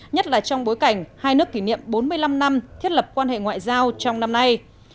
nhất là trong bối cảnh hai nước kỷ niệm bốn mươi năm năm thiết lập quan hệ ngoại giao trong năm nay